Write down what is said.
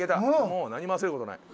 もう何も焦る事ない。